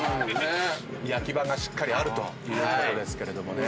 焼き場がしっかりあるということですけれどもね。